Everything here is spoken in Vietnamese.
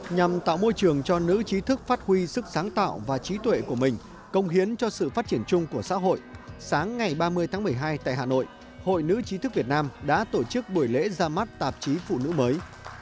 nhằm tạo môi trường cho nữ trí thức phát huy sức sáng tạo và trí tuệ của mình công hiến cho sự phát triển chung của xã hội sáng ngày ba mươi tháng một mươi hai tại hà nội hội nữ chí thức việt nam đã tổ chức buổi lễ ra mắt tạp chí phụ nữ mới